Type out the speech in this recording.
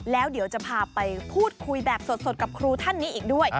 แล้วเดี๋ยวจะพาไปพูดคุยแบบสดกับครูท่านนี้อีกด้วย